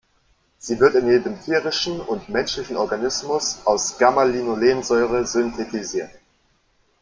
Sie wird in jedem tierischen und menschlichen Organismus aus Gamma-Linolensäure synthetisiert.